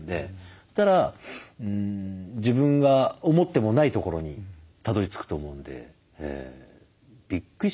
そしたら自分が思ってもないところにたどり着くと思うんで。